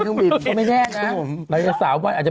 คุณแม่ค่าวใส่ใครอ่ะ